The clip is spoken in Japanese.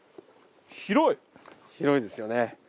広いですよね。